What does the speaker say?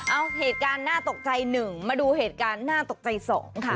เอาเหตุการณ์น่าตกใจ๑มาดูเหตุการณ์น่าตกใจ๒ค่ะ